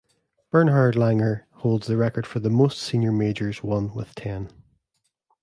Bernhard Langer holds the record for the most senior majors won with ten.